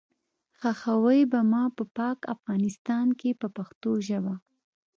ښخوئ به ما په پاک افغانستان کې په پښتو ژبه.